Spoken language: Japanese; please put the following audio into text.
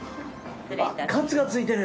カツがついてる。